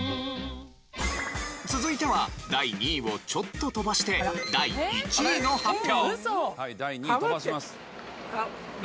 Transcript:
続いては第２位をちょっと飛ばして第１位の発表。